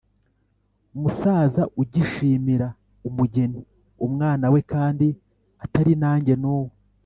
musaza ugishimira umugeni umwana we. Kandi atari nange, n’uwo